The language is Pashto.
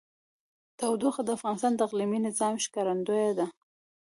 تودوخه د افغانستان د اقلیمي نظام ښکارندوی ده.